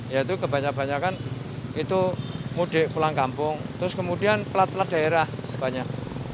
yaitu kebanyakan itu mudik pulang kampung terus kemudian pelat pelat daerah banyak